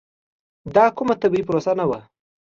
دا کومه طبیعي پروسه نه وه.